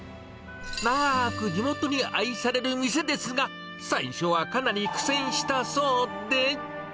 長ーく地元に愛される店ですが、最初はかなり苦戦したそうで。